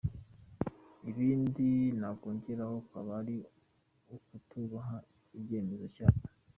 Ibindi nakongeraho kwaba ari ukutubaha icyemezo cyabo.